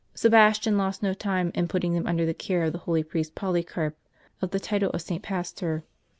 Sebastian lost no time in j)utting them under the care of the holy priest Polycaip, of the title of St. Pastor.